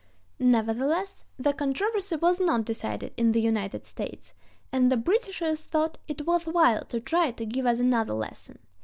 Nevertheless, the controversy was not decided in the United States, and the Britishers thought it worth while to try to give us another lesson.